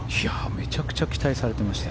めちゃくちゃ期待されてました。